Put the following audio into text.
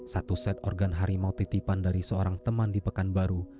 satu set organ harimau titipan dari seorang teman di pekanbaru